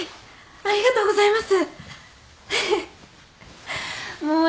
ありがとうございます。